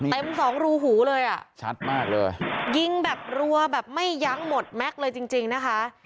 เต็มสองรูหูเลยอ่ะชัดมากเลยยิงแบบรัวแบบไม่ยั้งหมดแม็กซ์เลยจริงจริงนะคะ